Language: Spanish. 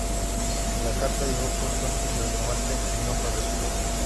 La carta llegó justo antes de su muerte y no fue respondida.